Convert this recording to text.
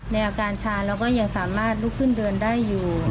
ในอาการชาเราก็ยังสามารถลุกขึ้นเดินได้อยู่